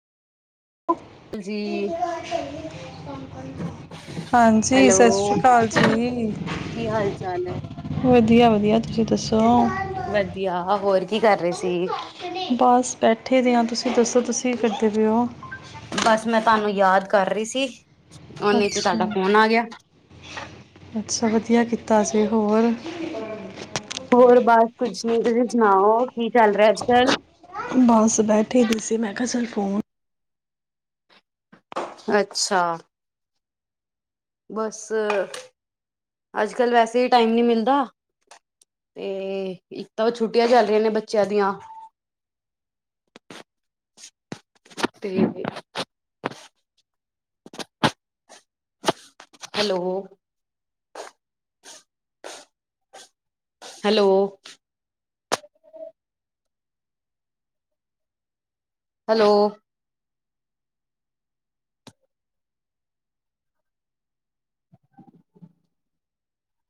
ਜੀ ਹਾਂਜੀ ਸਤਿ ਹੈਲੋ ਸ੍ਰੀ ਅਕਾਲ ਜੀ ਕੀ ਹਾਲ ਚਾਲ ਹੈ ਵਧੀਆ ਵਧੀਆਸੀਂ ਦੱਸੋ ਵਧੀਆ ਹੋਰ ਕੀ ਕਰ ਰਹੇ ਸੀ ਬਸ ਬੈਠੇ ਦੇ ਹਾਂ ਤੁਸੀਂ ਦੱਸੋ ਤੁਸੀਂ ਕੀ ਕਰਦੇ ਪਏ ਹੋ ਬਸ ਮੈਂ ਤੁਹਾਨੂੰ ਯਾਦ ਕਰ ਰਹੀ ਸੀ ਉਹਨੇ ਚ ਅੱਛਾ ਤੁਹਾਡਾ ਫੋਨ ਆ ਗਿਆ ਅੱਛਾ ਵਧੀਆ ਕੀਤਾ ਸੀ ਅਤੇੇ ਹੋਰ ਹੋਰ ਬਸ ਕੁਛ ਨੀ ਤੁਸੀਂ ਸੁਣਾਓ ਕੀ ਚੱਲ ਰਿਹਾ ਅੱਜ ਕੱਲ ਬਸ ਬੈਠੇ ਡ ਸੀ ਮੈਂ ਕਿਹਾ ਚਲ ਫੋਨ ਅੱਛਾ ਬਸ ਅਜ ਕੱਲ ਵੈਸੇ ਟਾਈਮ ਨੀ ਮਿਲਦਾ ਤੇ ਇੱਕ ਤਾਂ ਵ ਛੁੱਟੀਆਂ ਚੱਲ ਰਹੀਆਂ ਨੇ ਬੱਚਿਆਂ ਦੀਆਂ ਤੇ ਹੈਲੋ ਹੈਲੋ ਹੈਲੋ